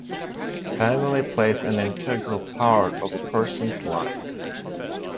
Family plays an integral part of a person's life.